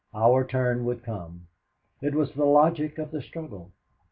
Our turn would come. It was the logic of the struggle.